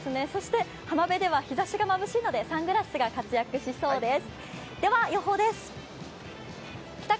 浜辺では日ざしがまぶしいのでサングラスが活躍しそうです。